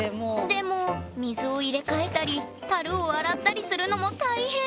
でも水を入れ替えたり樽を洗ったりするのも大変！